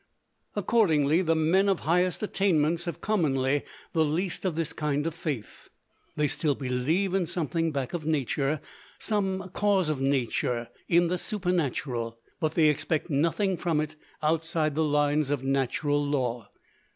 Accordingly, the men of highest attainments have commonly the least of this kind of faith. They still believe in something back of Nature; some cause of Nature in the Supernatural but they expect nothing from it outside the lines of natural law.